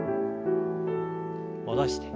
戻して。